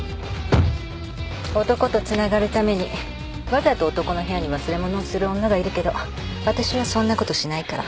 男とつながるためにわざと男の部屋に忘れ物をする女がいるけど私はそんなことしないから。